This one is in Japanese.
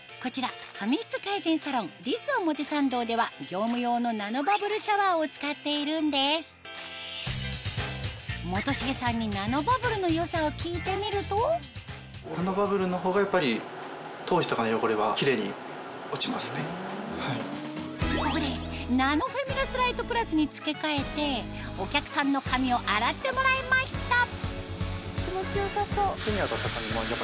こちらでは業務用のナノバブルシャワーを使っているんです元重さんにナノバブルの良さを聞いてみるとここでナノフェミラスライトプラスに付け替えてお客さんの髪を洗ってもらいました気持ちよさそう。